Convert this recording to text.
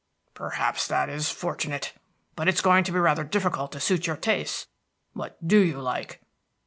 "Perhaps that is fortunate. But it's going to be rather difficult to suit your tastes. What do you like?"